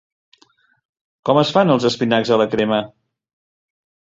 Com es fan els espinacs a la crema?